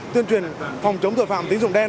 tuyên truyền phòng chống tội phạm tính dùng đen